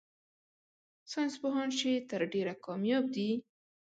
ساينس پوهان چي تر ډېره کاميابه دي